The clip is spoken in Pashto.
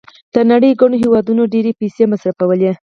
د نړۍ ګڼو هېوادونو ډېرې پیسې مصرفولې.